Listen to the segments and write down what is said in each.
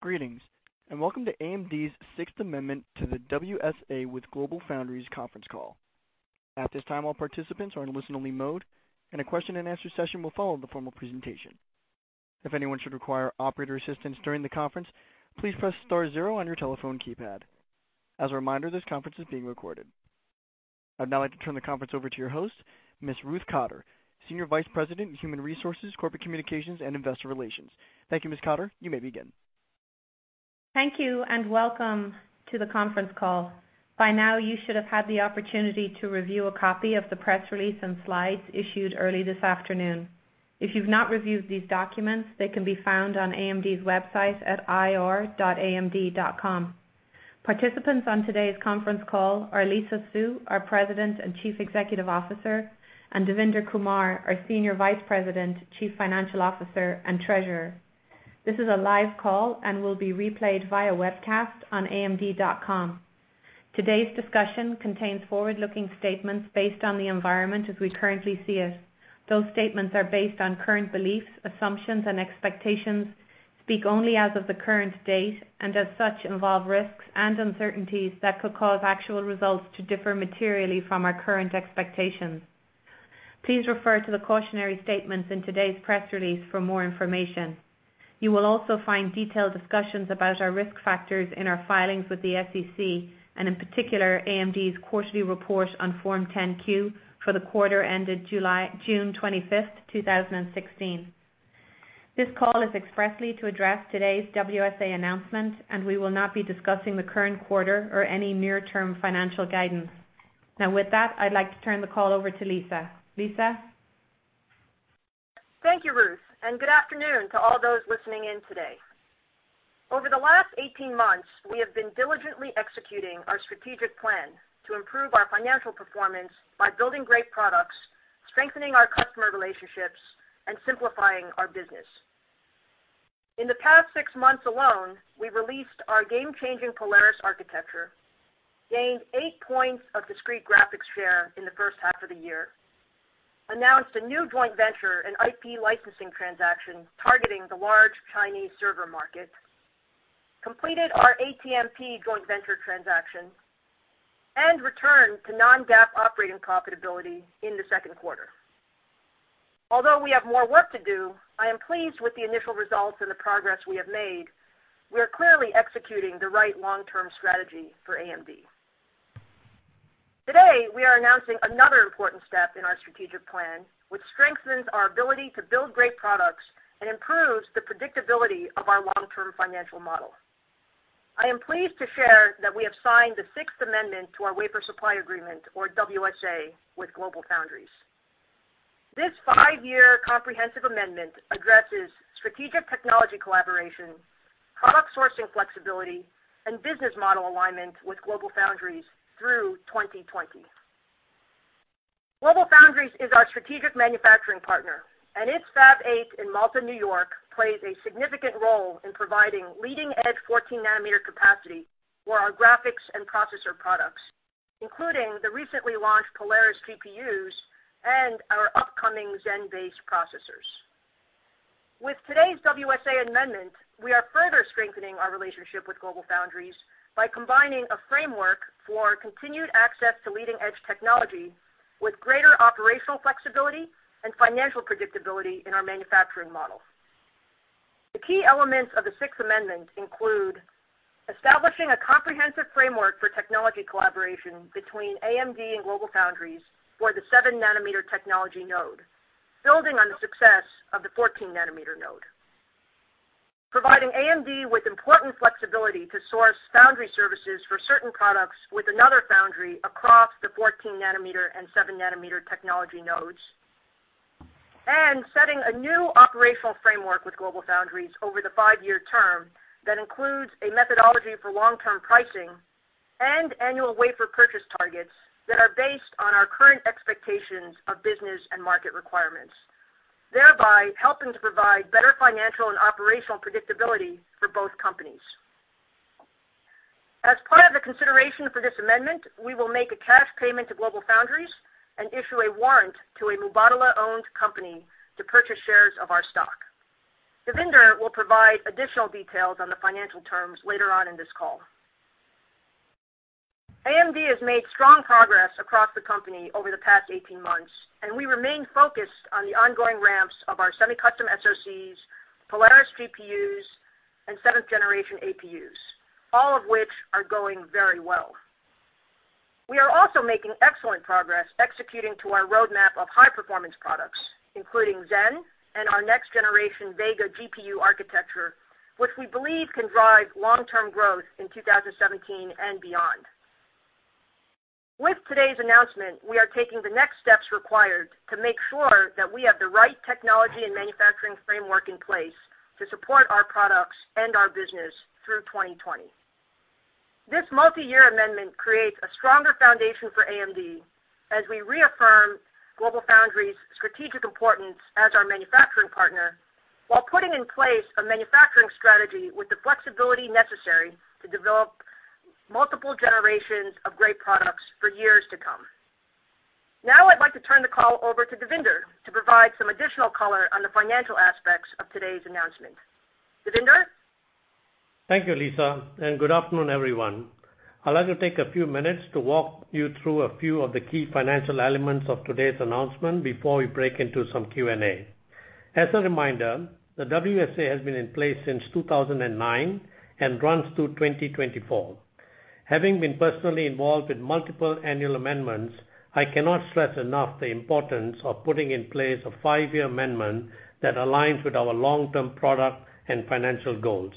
Greetings, and welcome to AMD's sixth amendment to the WSA with GLOBALFOUNDRIES conference call. At this time, all participants are in listen-only mode, and a question and answer session will follow the formal presentation. If anyone should require operator assistance during the conference, please press star 0 on your telephone keypad. As a reminder, this conference is being recorded. I'd now like to turn the conference over to your host, Ms. Ruth Cotter, Senior Vice President in Human Resources, Corporate Communications, and Investor Relations. Thank you, Ms. Cotter. You may begin. Thank you, and welcome to the conference call. By now, you should have had the opportunity to review a copy of the press release and slides issued early this afternoon. If you've not reviewed these documents, they can be found on AMD's website at ir.amd.com. Participants on today's conference call are Lisa Su, our President and Chief Executive Officer, and Devinder Kumar, our Senior Vice President, Chief Financial Officer, and Treasurer. This is a live call and will be replayed via webcast on amd.com. Today's discussion contains forward-looking statements based on the environment as we currently see it. Those statements are based on current beliefs, assumptions, and expectations, speak only as of the current date, and as such, involve risks and uncertainties that could cause actual results to differ materially from our current expectations. Please refer to the cautionary statements in today's press release for more information. You will also find detailed discussions about our risk factors in our filings with the SEC, and in particular, AMD's quarterly report on Form 10-Q for the quarter ended June 25th, 2016. This call is expressly to address today's WSA announcement, and we will not be discussing the current quarter or any near-term financial guidance. With that, I'd like to turn the call over to Lisa. Lisa? Thank you, Ruth, and good afternoon to all those listening in today. Over the last 18 months, we have been diligently executing our strategic plan to improve our financial performance by building great products, strengthening our customer relationships, and simplifying our business. In the past six months alone, we've released our game-changing Polaris architecture, gained eight points of discrete graphics share in the first half of the year, announced a new joint venture and IP licensing transaction targeting the large Chinese server market, completed our ATMP joint venture transaction, and returned to non-GAAP operating profitability in the second quarter. Although we have more work to do, I am pleased with the initial results and the progress we have made. We are clearly executing the right long-term strategy for AMD. Today, we are announcing another important step in our strategic plan, which strengthens our ability to build great products and improves the predictability of our long-term financial model. I am pleased to share that we have signed the sixth amendment to our wafer supply agreement, or WSA, with GLOBALFOUNDRIES. This five-year comprehensive amendment addresses strategic technology collaboration, product sourcing flexibility, and business model alignment with GLOBALFOUNDRIES through 2020. GLOBALFOUNDRIES is our strategic manufacturing partner, and its Fab 8 in Malta, New York, plays a significant role in providing leading-edge 14-nanometer capacity for our graphics and processor products, including the recently launched Polaris GPUs and our upcoming Zen-based processors. With today's WSA amendment, we are further strengthening our relationship with GLOBALFOUNDRIES by combining a framework for continued access to leading-edge technology with greater operational flexibility and financial predictability in our manufacturing model. The key elements of the sixth amendment include establishing a comprehensive framework for technology collaboration between AMD and GLOBALFOUNDRIES for the 7-nanometer technology node, building on the success of the 14-nanometer node. Providing AMD with important flexibility to source foundry services for certain products with another foundry across the 14-nanometer and 7-nanometer technology nodes. Setting a new operational framework with GLOBALFOUNDRIES over the five-year term that includes a methodology for long-term pricing and annual wafer purchase targets that are based on our current expectations of business and market requirements, thereby helping to provide better financial and operational predictability for both companies. As part of the consideration for this amendment, we will make a cash payment to GLOBALFOUNDRIES and issue a warrant to a Mubadala-owned company to purchase shares of our stock. Devinder will provide additional details on the financial terms later on in this call. AMD has made strong progress across the company over the past 18 months, and we remain focused on the ongoing ramps of our semi-custom SoCs, Polaris GPUs, and seventh-generation APUs, all of which are going very well. We are also making excellent progress executing to our roadmap of high-performance products, including Zen and our next-generation Vega GPU architecture, which we believe can drive long-term growth in 2017 and beyond. With today's announcement, we are taking the next steps required to make sure that we have the right technology and manufacturing framework in place to support our products and our business through 2020. This multi-year amendment creates a stronger foundation for AMD as we reaffirm GLOBALFOUNDRIES' strategic importance as our manufacturing partner while putting in place a manufacturing strategy with the flexibility necessary to develop Multiple generations of great products for years to come. Now I'd like to turn the call over to Devinder to provide some additional color on the financial aspects of today's announcement. Devinder? Thank you, Lisa, and good afternoon, everyone. I'd like to take a few minutes to walk you through a few of the key financial elements of today's announcement before we break into some Q&A. As a reminder, the WSA has been in place since 2009 and runs through 2024. Having been personally involved with multiple annual amendments, I cannot stress enough the importance of putting in place a five-year amendment that aligns with our long-term product and financial goals.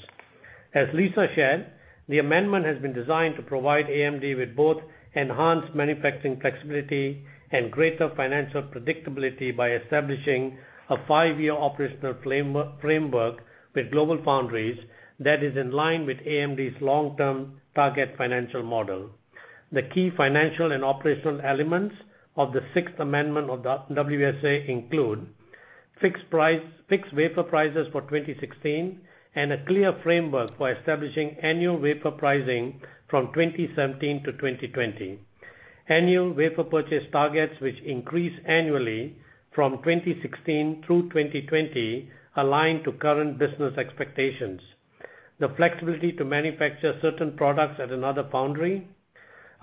As Lisa shared, the amendment has been designed to provide AMD with both enhanced manufacturing flexibility and greater financial predictability by establishing a five-year operational framework with GLOBALFOUNDRIES that is in line with AMD's long-term target financial model. The key financial and operational elements of the sixth amendment of the WSA include fixed wafer prices for 2016 and a clear framework for establishing annual wafer pricing from 2017 to 2020. Annual wafer purchase targets, which increase annually from 2016 through 2020, aligned to current business expectations. The flexibility to manufacture certain products at another foundry.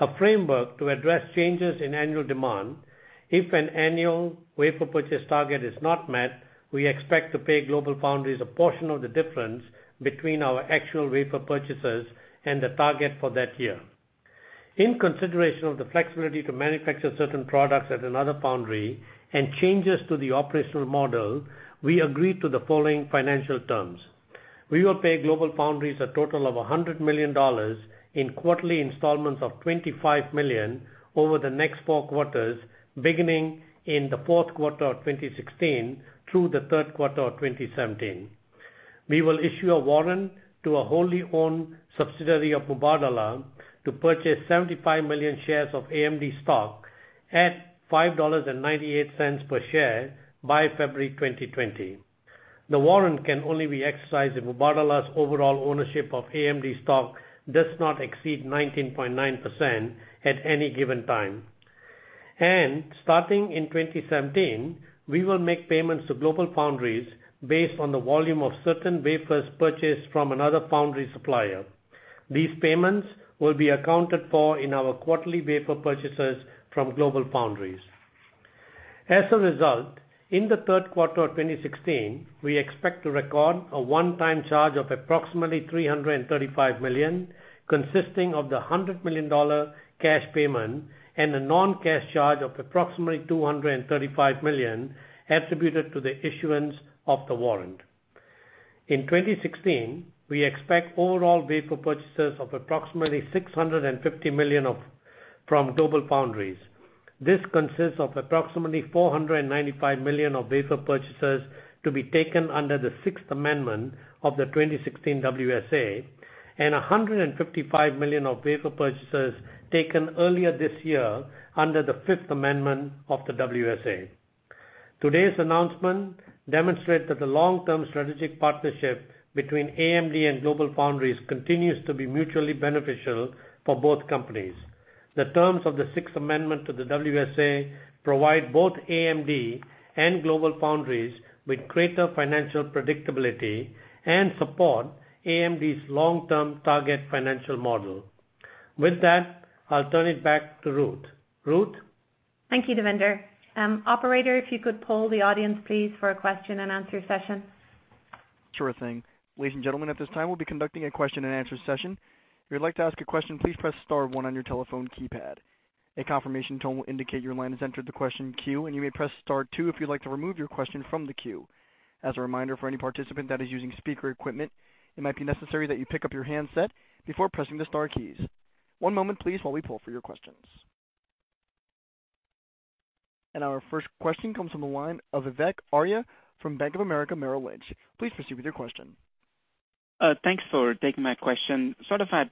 A framework to address changes in annual demand. If an annual wafer purchase target is not met, we expect to pay GLOBALFOUNDRIES a portion of the difference between our actual wafer purchases and the target for that year. In consideration of the flexibility to manufacture certain products at another foundry and changes to the operational model, we agreed to the following financial terms. We will pay GLOBALFOUNDRIES a total of $100 million in quarterly installments of $25 million over the next four quarters, beginning in the fourth quarter of 2016 through the third quarter of 2017. We will issue a warrant to a wholly-owned subsidiary of Mubadala to purchase 75 million shares of AMD stock at $5.98 per share by February 2020. The warrant can only be exercised if Mubadala's overall ownership of AMD stock does not exceed 19.9% at any given time. Starting in 2017, we will make payments to GLOBALFOUNDRIES based on the volume of certain wafers purchased from another foundry supplier. These payments will be accounted for in our quarterly wafer purchases from GLOBALFOUNDRIES. As a result, in the third quarter of 2016, we expect to record a one-time charge of approximately $335 million, consisting of the $100 million cash payment and a non-cash charge of approximately $235 million attributed to the issuance of the warrant. In 2016, we expect overall wafer purchases of approximately 650 million from GLOBALFOUNDRIES. This consists of approximately 495 million of wafer purchases to be taken under the sixth amendment of the 2016 WSA, and 155 million of wafer purchases taken earlier this year under the fifth amendment of the WSA. Today's announcement demonstrates that the long-term strategic partnership between AMD and GLOBALFOUNDRIES continues to be mutually beneficial for both companies. The terms of the sixth amendment to the WSA provide both AMD and GLOBALFOUNDRIES with greater financial predictability and support AMD's long-term target financial model. With that, I'll turn it back to Ruth. Ruth? Thank you, Devinder. Operator, if you could poll the audience, please, for a question and answer session. Sure thing. Ladies and gentlemen, at this time, we'll be conducting a question and answer session. If you would like to ask a question, please press star one on your telephone keypad. A confirmation tone will indicate your line has entered the question queue, and you may press star two if you'd like to remove your question from the queue. As a reminder, for any participant that is using speaker equipment, it might be necessary that you pick up your handset before pressing the star keys. One moment, please, while we poll for your questions. Our first question comes from the line of Vivek Arya from Bank of America Merrill Lynch. Please proceed with your question. Thanks for taking my question. Sort of had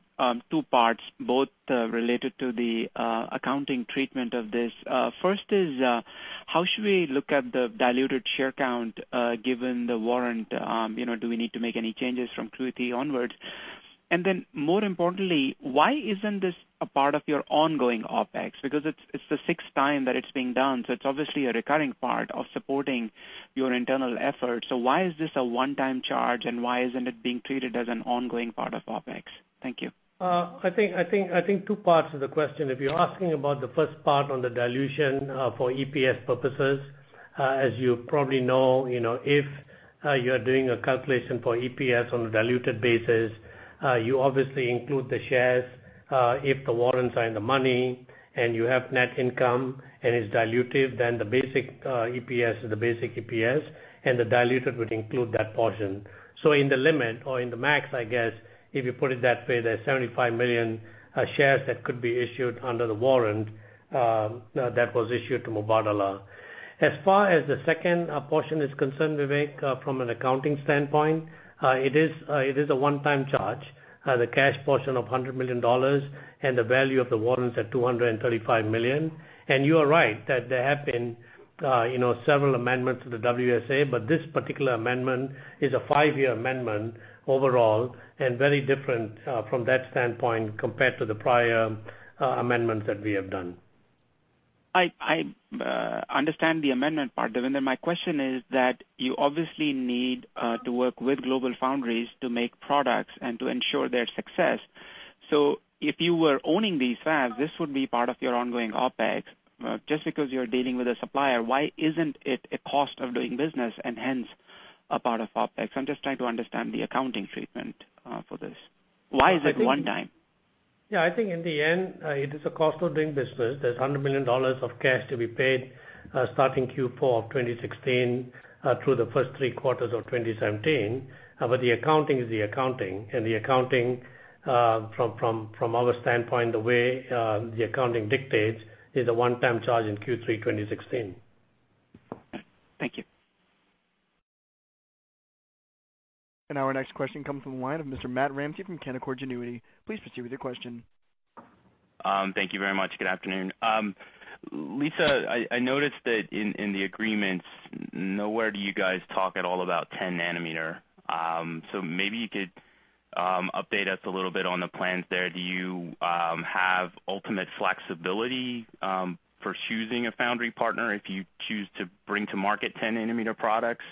two parts, both related to the accounting treatment of this. First is, how should we look at the diluted share count given the warrant? Do we need to make any changes from Q3 onwards? More importantly, why isn't this a part of your ongoing OpEx? Because it's the sixth time that it's being done, so it's obviously a recurring part of supporting your internal efforts. Why is this a one-time charge, and why isn't it being treated as an ongoing part of OpEx? Thank you. I think two parts of the question. If you're asking about the first part on the dilution for EPS purposes, as you probably know, if you're doing a calculation for EPS on a diluted basis, you obviously include the shares if the warrants are in the money and you have net income and it's dilutive, then the basic EPS is the basic EPS, and the diluted would include that portion. In the limit or in the max, I guess, if you put it that way, there's 75 million shares that could be issued under the warrant that was issued to Mubadala. As far as the second portion is concerned, Vivek, from an accounting standpoint, it is a one-time charge, the cash portion of $100 million and the value of the warrants at $235 million. You are right that there have been several amendments to the WSA, but this particular amendment is a five-year amendment overall and very different from that standpoint compared to the prior amendments that we have done. I understand the amendment part, Devinder. My question is that you obviously need to work with GLOBALFOUNDRIES to make products and to ensure their success. If you were owning these fabs, this would be part of your ongoing OpEx. Just because you're dealing with a supplier, why isn't it a cost of doing business and hence a part of OpEx? I'm just trying to understand the accounting treatment for this. Why is it one time? Yeah, I think in the end, it is a cost of doing business. There's $100 million of cash to be paid, starting Q4 of 2016, through the first three quarters of 2017. The accounting is the accounting, and the accounting from our standpoint, the way the accounting dictates, is a one-time charge in Q3 2016. Thank you. Our next question comes from the line of Mr. Matt Ramsay from Canaccord Genuity. Please proceed with your question. Thank you very much. Good afternoon. Lisa, I noticed that in the agreements, nowhere do you guys talk at all about 10 nanometer. Maybe you could update us a little bit on the plans there. Do you have ultimate flexibility for choosing a foundry partner if you choose to bring to market 10-nanometer products?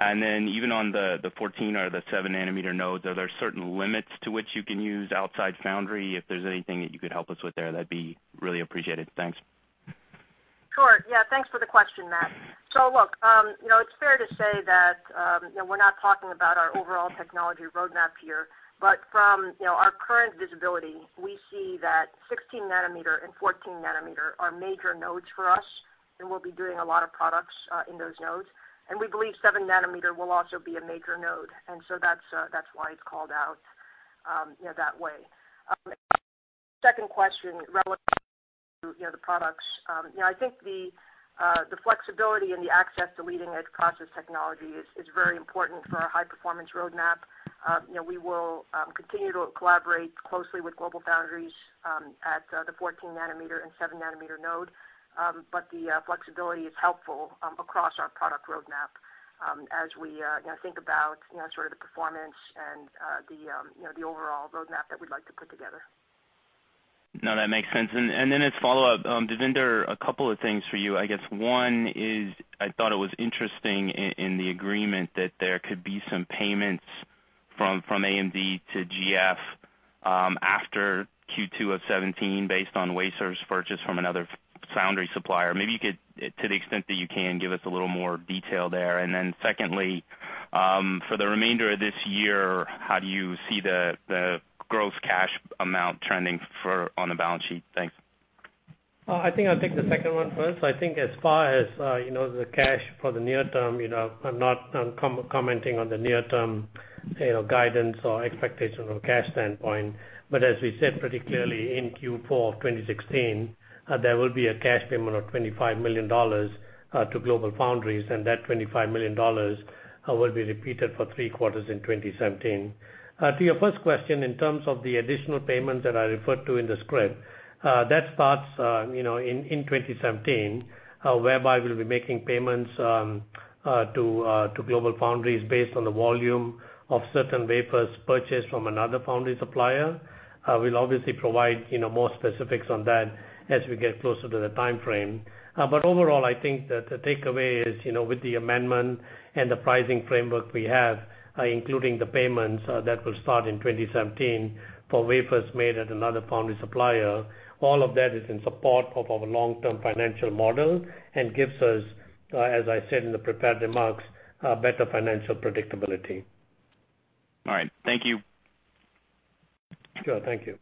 Even on the 14 or the seven-nanometer nodes, are there certain limits to which you can use outside foundry? If there's anything that you could help us with there, that'd be really appreciated. Thanks. Sure. Yeah, thanks for the question, Matt. Look, it's fair to say that we're not talking about our overall technology roadmap here. From our current visibility, we see that 16 nanometer and 14 nanometer are major nodes for us, and we'll be doing a lot of products in those nodes. We believe seven nanometer will also be a major node. That's why it's called out that way. Second question, relevant to the products. I think the flexibility and the access to leading-edge process technology is very important for our high-performance roadmap. We will continue to collaborate closely with GLOBALFOUNDRIES at the 14 nanometer and seven-nanometer node. The flexibility is helpful across our product roadmap as we think about sort of the performance and the overall roadmap that we'd like to put together. No, that makes sense. As follow-up, Devinder, a couple of things for you. I guess one is, I thought it was interesting in the agreement that there could be some payments from AMD to GF after Q2 of 2017 based on wafers purchased from another foundry supplier. Maybe you could, to the extent that you can, give us a little more detail there. Secondly, for the remainder of this year, how do you see the gross cash amount trending on the balance sheet? Thanks. I think I'll take the second one first. I think as far as the cash for the near term, I'm not commenting on the near-term guidance or expectation from a cash standpoint. As we said pretty clearly, in Q4 of 2016, there will be a cash payment of $25 million to GLOBALFOUNDRIES, and that $25 million will be repeated for three quarters in 2017. To your first question, in terms of the additional payment that I referred to in the script, that starts in 2017, whereby we'll be making payments to GLOBALFOUNDRIES based on the volume of certain wafers purchased from another foundry supplier. We'll obviously provide more specifics on that as we get closer to the timeframe. Overall, I think that the takeaway is with the amendment and the pricing framework we have, including the payments that will start in 2017 for wafers made at another foundry supplier, all of that is in support of our long-term financial model and gives us, as I said in the prepared remarks, better financial predictability. All right. Thank you. Sure. Thank you.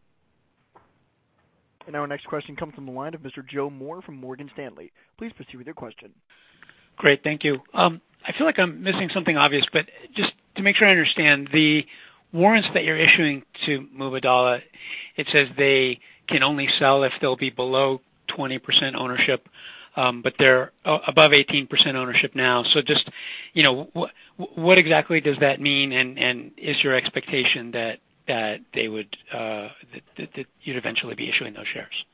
Our next question comes from the line of Mr. Joe Moore from Morgan Stanley. Please proceed with your question. Great. Thank you. I feel like I'm missing something obvious, but just to make sure I understand, the warrants that you're issuing to Mubadala, it says they can only sell if they'll be below 20% ownership, but they're above 18% ownership now. Just what exactly does that mean? Is your expectation that you'd eventually be issuing those shares?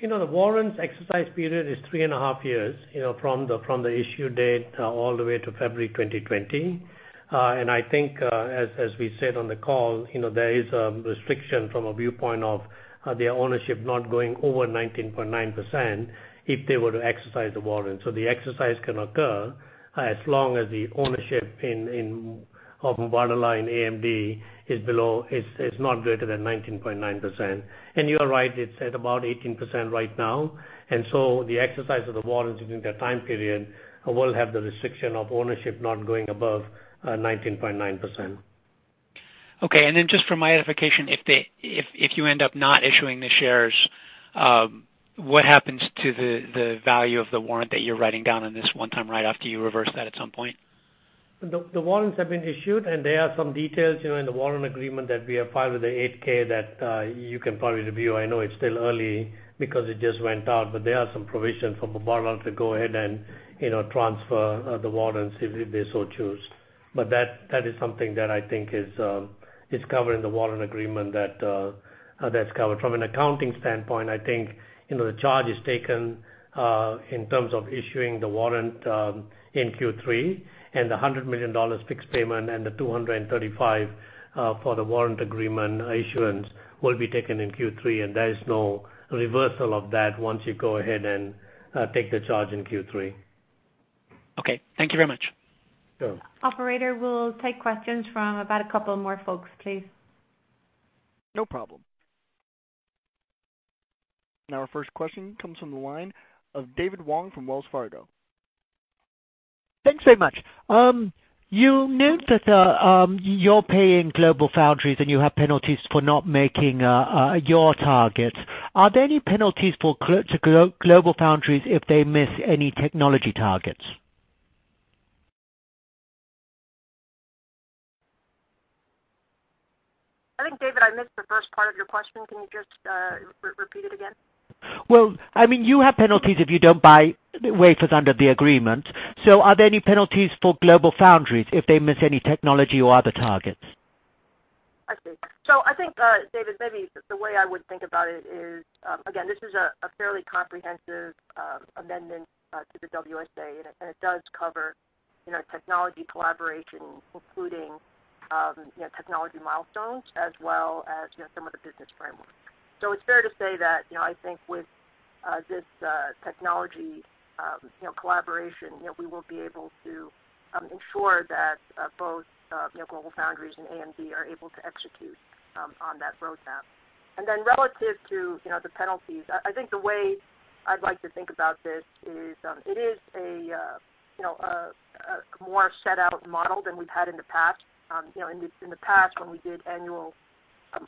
The warrant's exercise period is three and a half years, from the issue date all the way to February 2020. I think, as we said on the call, there is a restriction from a viewpoint of their ownership not going over 19.9% if they were to exercise the warrant. The exercise can occur as long as the ownership of Mubadala in AMD is not greater than 19.9%. You are right, it's at about 18% right now, and so the exercise of the warrants during that time period will have the restriction of ownership not going above 19.9%. Okay, just for my edification, if you end up not issuing the shares, what happens to the value of the warrant that you're writing down on this one-time write-off, do you reverse that at some point? The warrants have been issued, there are some details in the warrant agreement that we have filed with the 8-K that you can probably review. I know it's still early because it just went out, there are some provisions for Mubadala to go ahead and transfer the warrants if they so choose. That is something that I think is covered in the warrant agreement that's covered. From an accounting standpoint, I think the charge is taken in terms of issuing the warrant in Q3, and the $100 million fixed payment and the $235 for the warrant agreement issuance will be taken in Q3, and there is no reversal of that once you go ahead and take the charge in Q3. Okay. Thank you very much. Sure. Operator, we'll take questions from about a couple more folks, please. No problem. Our first question comes from the line of David Wong from Wells Fargo. Thanks so much. You note that you're paying GLOBALFOUNDRIES and you have penalties for not making your target. Are there any penalties for GLOBALFOUNDRIES if they miss any technology targets? I think, David, I missed the first part of your question. Can you just repeat it again? Well, you have penalties if you don't buy wafers under the agreement. Are there any penalties for GLOBALFOUNDRIES if they miss any technology or other targets? I see. I think, David, maybe the way I would think about it is, again, this is a fairly comprehensive amendment to the WSA, and it does cover technology collaboration, including technology milestones as well as some of the business framework. It's fair to say that, I think with this technology collaboration, we will be able to ensure that both GLOBALFOUNDRIES and AMD are able to execute on that roadmap. Relative to the penalties, I think the way I'd like to think about this is, it is a more set out model than we've had in the past. In the past when we did annual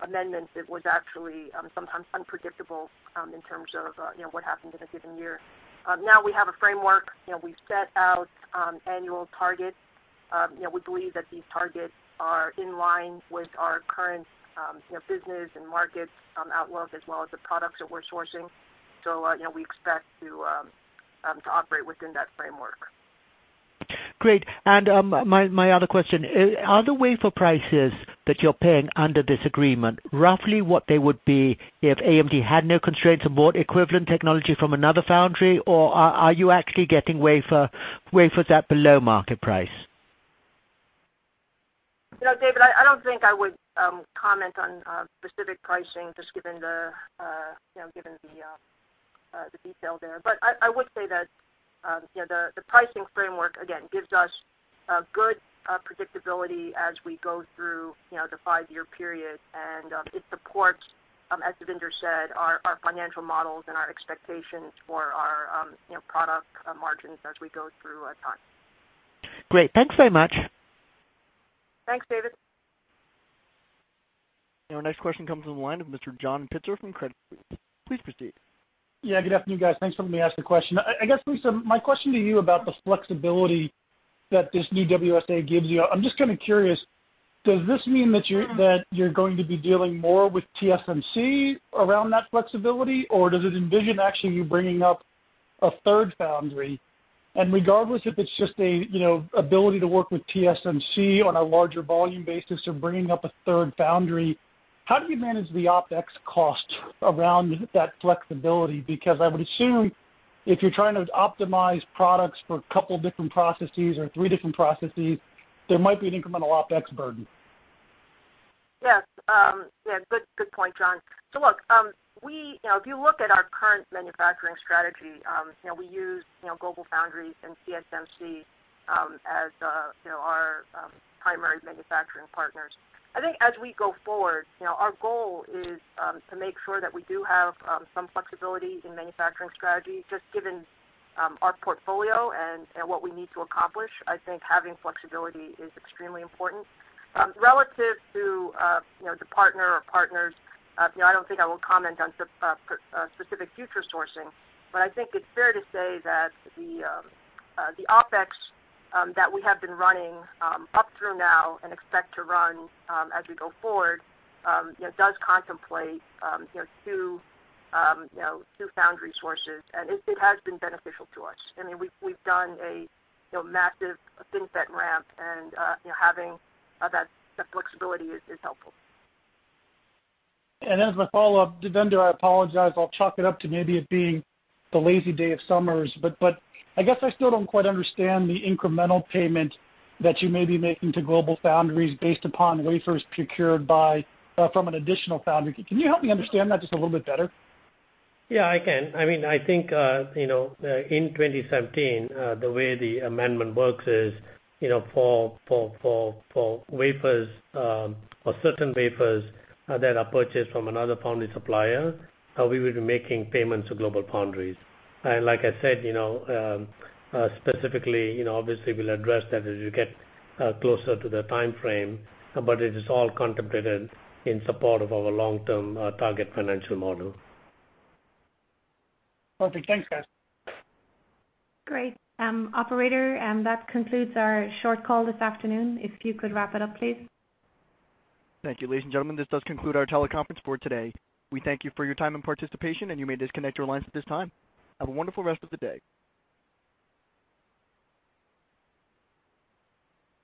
amendments, it was actually sometimes unpredictable in terms of what happened in a given year. Now we have a framework. We've set out annual targets. We believe that these targets are in line with our current business and market outlook, as well as the products that we're sourcing. We expect to operate within that framework. Great. My other question, are the wafer prices that you're paying under this agreement roughly what they would be if AMD had no constraints and bought equivalent technology from another foundry? Or are you actually getting wafers at below market price? David, I don't think I would comment on specific pricing, just given the detail there. I would say that the pricing framework, again, gives us good predictability as we go through the five-year period. It supports, as Devinder said, our financial models and our expectations for our product margins as we go through time. Great. Thanks very much. Thanks, David. Our next question comes from the line of Mr. John Pitzer from Credit Suisse. Please proceed. Good afternoon, guys. Thanks for letting me ask the question. I guess, Lisa, my question to you about the flexibility that this new WSA gives you, I'm just kind of curious, does this mean that you're going to be dealing more with TSMC around that flexibility, or does it envision actually you bringing up a third foundry? Regardless if it's just an ability to work with TSMC on a larger volume basis or bringing up a third foundry, how do you manage the OpEx cost around that flexibility? Because I would assume if you're trying to optimize products for a couple of different processes or three different processes, there might be an incremental OpEx burden. Good point, John. Look, if you look at our current manufacturing strategy, we use GLOBALFOUNDRIES and TSMC as our primary manufacturing partners. I think as we go forward, our goal is to make sure that we do have some flexibility in manufacturing strategy. Just given our portfolio and what we need to accomplish, I think having flexibility is extremely important. Relative to the partner or partners, I don't think I will comment on specific future sourcing. I think it's fair to say that the OpEx that we have been running up through now and expect to run as we go forward does contemplate two foundry sources, and it has been beneficial to us. We've done a massive FinFET ramp, and having that flexibility is helpful. As my follow-up, Devinder, I apologize. I'll chalk it up to maybe it being the lazy day of summers, but I guess I still don't quite understand the incremental payment that you may be making to GLOBALFOUNDRIES based upon wafers procured from an additional foundry. Can you help me understand that just a little bit better? Yeah, I can. I think in 2017, the way the amendment works is for certain wafers that are purchased from another foundry supplier, we will be making payments to GLOBALFOUNDRIES. Like I said, specifically, obviously we'll address that as we get closer to the timeframe, but it is all contemplated in support of our long-term target financial model. Perfect. Thanks, guys. Great. Operator, that concludes our short call this afternoon. If you could wrap it up, please. Thank you, ladies and gentlemen. This does conclude our teleconference for today. We thank you for your time and participation, and you may disconnect your lines at this time. Have a wonderful rest of the day.